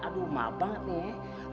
aduh maaf banget nih